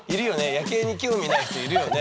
夜景に興味ない人いるよね。